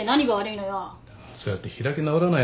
そうやって開き直らないの。